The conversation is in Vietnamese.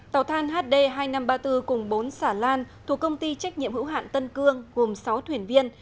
tàu than hd hai nghìn năm trăm ba mươi bốn cùng bốn xà lan thuộc công ty trách nhiệm hữu hạn tân cương gồm sáu thuyền viên